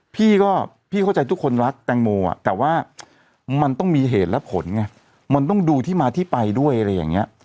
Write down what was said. พี่ก็พี่เข้าใจทุกคนรักแตงโมอ่ะแต่ว่ามันต้องมีเหตุและผลไงมันต้องดูที่มาที่ไปด้วยอะไรอย่างนี้